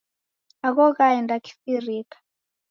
Agho ghaenda kifirika.